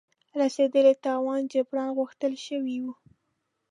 رسېدلي تاوان جبران غوښتل شوی وو.